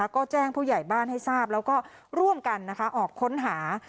ก็แจ้งผู้ใหญ่บ้านให้ทราบแล้วก็ร่วมกันออกค้นหา